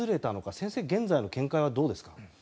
先生、現在の見解はどうですか？